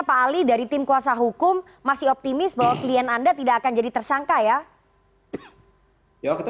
pak ali dari tim kuasa hukum masih optimis bahwa klien anda tidak akan jadi tersangka ya kita